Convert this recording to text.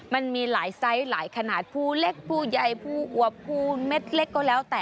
มันมีหลายไซส์หลายขนาดผู้เล็กผู้ใหญ่ผู้อวบภูเม็ดเล็กก็แล้วแต่